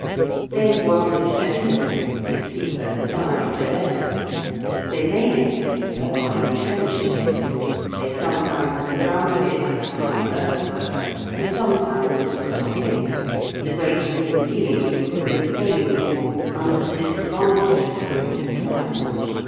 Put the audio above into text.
They wanted a hill the steeper the side the better: they made it steeper by entrenching it; they sometimes surrounded it with a high earthwork and sometimes with a stockade: the great thing being to put the assailing force under the disadvantage of having to climb.